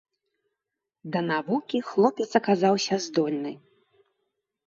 Да навукі хлопец аказаўся здольны.